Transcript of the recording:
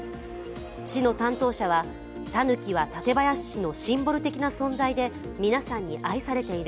市の担当者は、たぬきは館林市のシンボル的な存在で皆さんに愛されている。